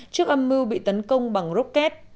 trước âm mưu bị tấn công bằng rocket